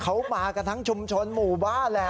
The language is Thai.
เขามากันทั้งชุมชนหมู่บ้านแหละ